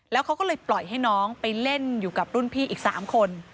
แล้วเขาก็เลยปล่อยให้น้องไปเล่นอยู่กับรุ่นพี่อีก๓คน